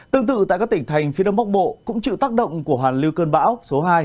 tương tự tại các tỉnh thành phía đông bắc bộ cũng chịu tác động của hoàn lưu cơn bão số hai